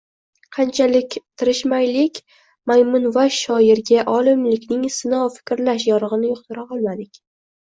Qanchalik tirishmaylik, majnunvash shoirga olimlikning sino fikrlash yo‘rig‘ini yuqtira olmadik.